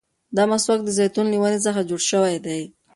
دا مسواک د زيتون له ونې څخه جوړ شوی دی.